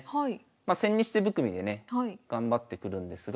ま千日手含みでね頑張ってくるんですが。